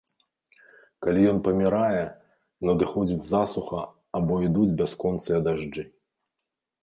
Калі ён памірае, надыходзіць засуха або ідуць бясконцыя дажджы.